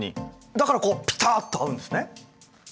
だからピタッと合うんですね。